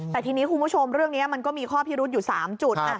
แต่ทีนี้คุณผู้ชมเรื่องนี้มันก็มีข้อพิรุษอยู่๓จุด